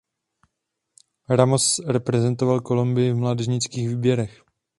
Ramos reprezentoval Kolumbii v mládežnických výběrech.